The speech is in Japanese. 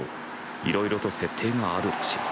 いろいろと設定があるらしい。